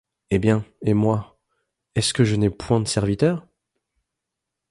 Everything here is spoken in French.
Eh bien ! et moi, est-ce que je n’ai point de serviteurs ?